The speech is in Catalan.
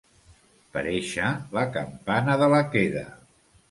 Parèixer la campana de la queda.